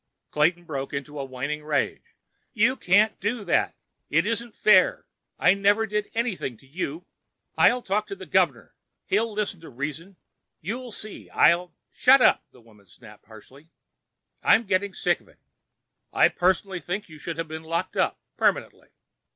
Clayton broke into a whining rage. "You can't do that! It isn't fair! I never did anything to you! I'll go talk to the Governor! He'll listen to reason! You'll see! I'll—" "Shut up!" the woman snapped harshly. "I'm getting sick of it! I personally think you should have been locked up—permanently.